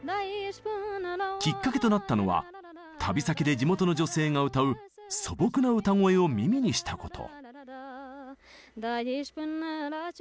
きっかけとなったのは旅先で地元の女性が歌う素朴な歌声を耳にしたこと。